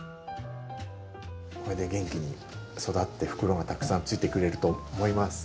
これで元気に育って袋がたくさんついてくれると思います。